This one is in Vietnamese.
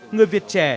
người việt trẻ